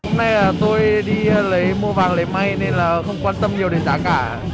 hôm nay tôi đi mua vàng lấy may nên không quan tâm nhiều đến giá cả